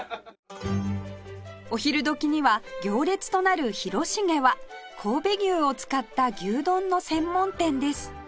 お昼時には行列となる広重は神戸牛を使った牛丼の専門店です